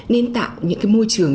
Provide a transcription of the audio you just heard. nên tạo những cái môi trường